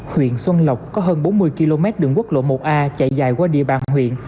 huyện xuân lộc có hơn bốn mươi km đường quốc lộ một a chạy dài qua địa bàn huyện